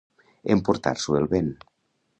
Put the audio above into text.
Emportar-s'ho el vent.